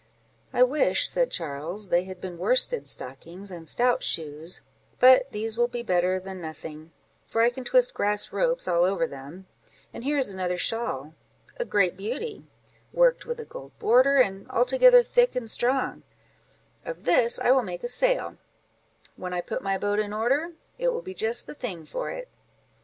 —"I wish," said Charles, "they had been worsted stockings and stout shoes; but these will be better than nothing, for I can twist grass ropes all over them: and here is another shawl—a great beauty, worked with a gold border, and altogether thick and strong; of this I will make a sail, when I put my boat in order—it will be just the thing for it."